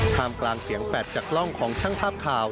มกลางเสียงแฟลตจากกล้องของช่างภาพข่าว